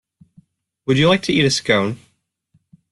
Would you like to eat a Scone?